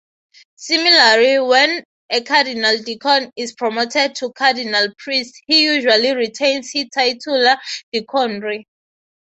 Similarly, when a Cardinal-Deacon is promoted to Cardinal-Priest he usually retains his titular deaconry.